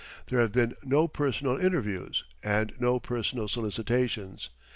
There have been no personal interviews and no personal solicitations.